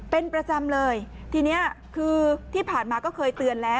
เป็นประจำเลยทีนี้คือที่ผ่านมาก็เคยเตือนแล้ว